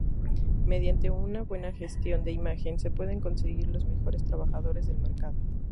Mediante una buena gestión de imagen se pueden conseguir los mejores trabajadores del mercado.